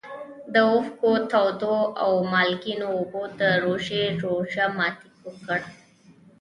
د اوښکو تودو او مالګینو اوبو د روژې روژه ماتي وکړ.